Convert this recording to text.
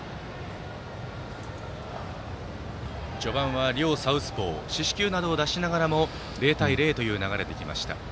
序盤は両サウスポー四死球などを出しながらも０対０という流れで来ました。